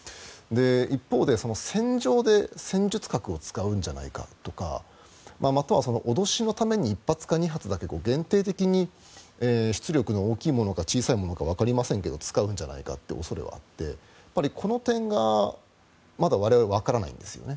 一方で、戦場で戦術核を使うんじゃないかとかまたは脅しのために１発か２発だけ限定的に出力の大きいものか小さいものかわかりませんが使うんじゃないかっていう恐れはあってこの点がまだ我々はわからないんですよね。